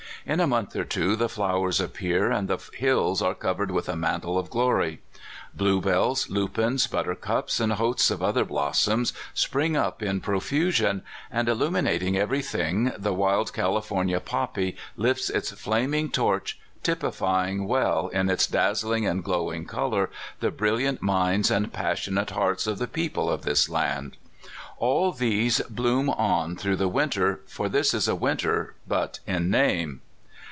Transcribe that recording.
In a month or two the flowers appear, and the hills are covered with a mantle of glory. Bluebells, lupins, buttercups, and hosts of other blossoms, spring up in profu sion ; and, illuminating every thing, the wild Cali fornia poppy lifts its flaming torch, typifying well, in its dazzling and glowing color, the brilliant minds and passionate hearts of the people of this land. All these bloom on through the winter, for this is a winter but in name.